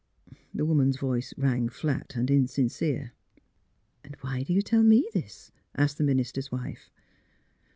The woman's voice rang flat and insincere. *' Why do you tell me this? " asked the min ister's wife.